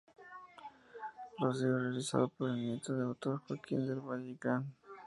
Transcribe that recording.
Glosario realizado por el nieto del autor, Joaquín del Valle-Inclán.